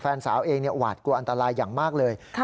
แฟนสาวเองหวาดกลัวอันตรายอย่างมากเลย